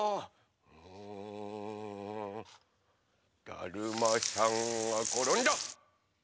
だるまさんがころんだ！